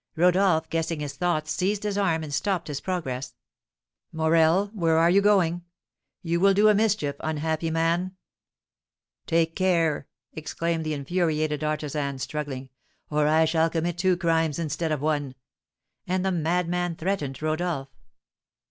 Rodolph, guessing his thoughts, seized his arm, and stopped his progress. "Morel, where are you going? You will do a mischief, unhappy man!" "Take care," exclaimed the infuriated artisan, struggling, "or I shall commit two crimes instead of one!" and the madman threatened Rodolph.